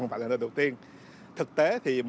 không phải là nơi đầu tiên thực tế thì